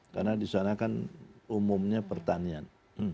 karena disana kan umumnya pertanian